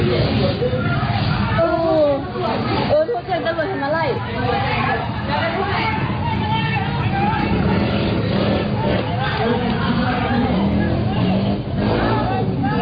โอ้โหพวกผู้หญิงนี้นะถือไม้นะ